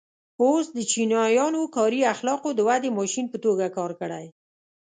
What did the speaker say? اوس د چینایانو کاري اخلاقو د ودې ماشین په توګه کار کړی.